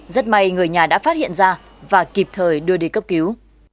rất may người nhà đã phát hiện ra và kịp thời đưa đi cấp cứu